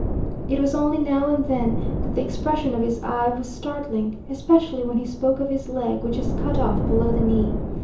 It was only now and then, that the expression of his eye was startling, especially when he spoke of his leg, which is cut off below the knee.